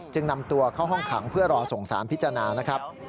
นำตัวเข้าห้องขังเพื่อรอส่งสารพิจารณานะครับ